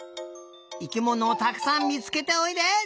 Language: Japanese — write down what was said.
生きものをたくさんみつけておいで！